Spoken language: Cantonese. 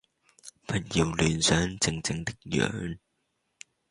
不要亂想，靜靜的養！